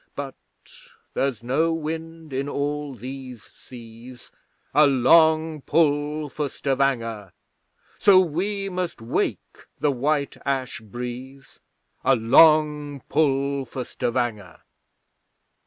But there's no wind in all these seas. A long pull for Stavanger! So we must wake the white ash breeze, A long pull for Stavanger!